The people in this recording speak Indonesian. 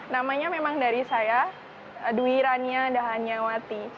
namanya memang dari saya dwi rania dahannyawati